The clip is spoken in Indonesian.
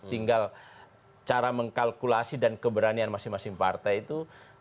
tinggal cara mengkalkulasi dan keberanian masing masing partai itu